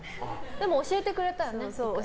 でも教えてくれたよね。